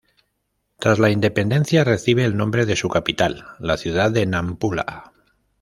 Tras la independencia recibe el nombre de su capital, la ciudad de Nampula.